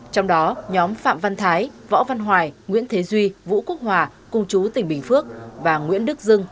trong đó nhóm phạm văn thái võ văn hoài nguyễn thế duy vũ quốc hòa cung chú tỉnh bình phước và nguyễn đức dưng